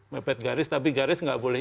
mepet garis tapi garis nggak boleh